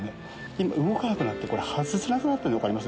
今動かなくなって外せなくなってるの分かります？